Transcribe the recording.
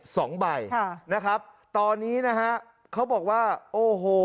สองใบค่ะนะครับตอนนี้นะฮะเขาบอกว่าโอ้โห